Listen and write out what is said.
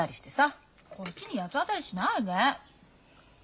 こっちに八つ当たりしないで。